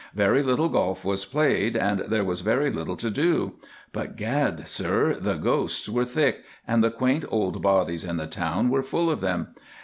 Very little golf was played, and there was very little to do. But, gad, sir, the ghosts were thick, and the quaint old bodies in the town were full of them.